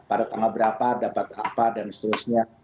pada tanggal berapa dapat apa dan seterusnya